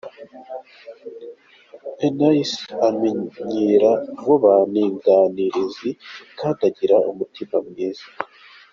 Eunice amenyera vuba, ni inganirizi kandi agira umutima mwiza.